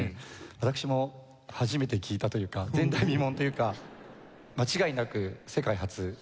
私も初めて聞いたというか前代未聞というか間違いなく世界初。